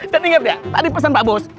dan inget ya tadi pesen pak bos